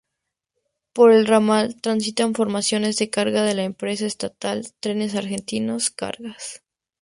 Por el ramal transitan formaciones de carga de la empresa estatal Trenes Argentinos Cargas.